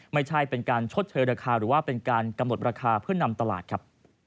ไม่ใช่เป็นการชดเชยราคาหรือว่าเป็นการกำหนดราคาเพื่อนำตลาดครับ